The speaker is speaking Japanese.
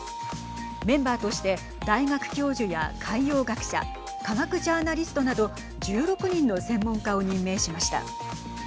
メンバーとして大学教授や海洋学者科学ジャーナリストなど１６人の専門家を任命しました。